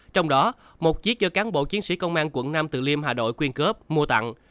trong đó một chiếc do cán bộ chiến sĩ công an quận nam tự liêm hà đội quyên cướp mua tặng